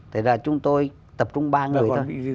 thế là chúng tôi tập trung ba người thôi